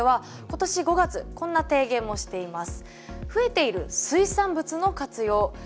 今年５月こんな提言もしています。